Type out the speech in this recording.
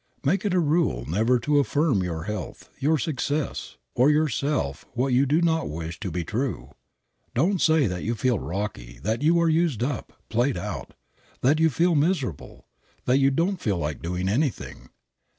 Make it a rule never to affirm of your health, your success, or yourself what you do not wish to be true. Don't say that you feel "rocky," that you are used up, played out, that you feel miserable, that you don't feel like doing anything.